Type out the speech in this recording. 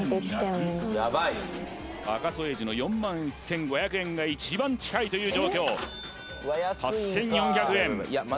赤楚衛二の４万１５００円が一番近いという状況８４００円